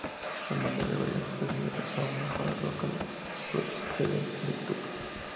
Los nombres de varias especies de fauna y flora locales proceden del tupí.